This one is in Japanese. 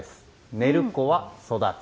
寝る子は育つ。